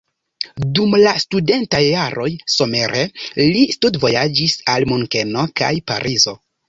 Dum la studentaj jaroj somere li studvojaĝis al Munkeno kaj Parizo.